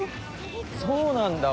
そうなんだ。